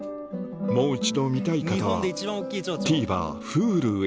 もう一度見たい方はＴＶｅｒＨｕｌｕへ